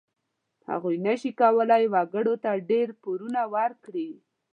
هغوی نشي کولای وګړو ته ډېر پورونه ورکړي.